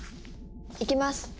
いきます。